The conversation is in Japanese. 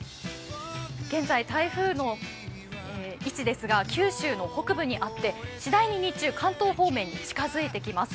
現在、台風の位置ですが、九州の北部にあって、しだいに日中、関東方面に近づいてきます。